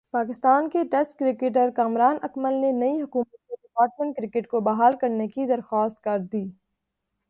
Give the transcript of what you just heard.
پاکستان کے ٹیسٹ کرکٹرکامران اکمل نے نئی حکومت سے ڈپارٹمنٹ کرکٹ کو بحال کرنے کی درخواست کردی۔